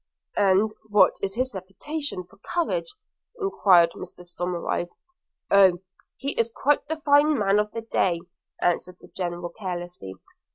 'And what is his reputation for courage?' enquired Mr Somerive. 'Oh! he is quite the fine man of the day,' answered the General carelessly.